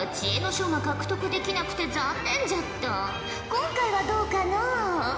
今回はどうかのう？